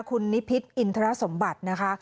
คุณนิพิษอินทรสมบัตินะคะ